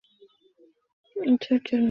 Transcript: পর্বতের উপরে উঠার জন্য দুইটি রাস্তা রয়েছে।